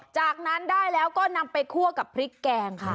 จากนั้นได้แล้วก็นำไปคั่วกับพริกแกงค่ะ